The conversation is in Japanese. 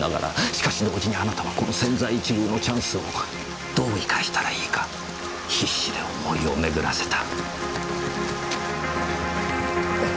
しかし同時にあなたはこの千載一遇のチャンスをどう生かしたらいいか必死で思いをめぐらせた。